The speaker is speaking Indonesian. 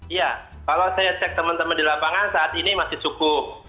iya kalau saya cek teman teman di lapangan saat ini masih cukup